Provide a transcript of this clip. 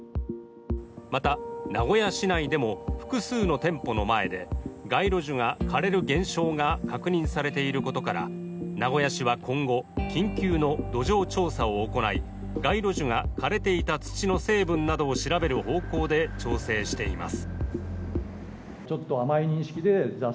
また、名古屋市内でも複数の店舗の前で街路樹が枯れる現象が確認されていることから名古屋市は今後、緊急の土壌調査を行い街路樹が枯れていた土の成分などを調べる方向で調整しています。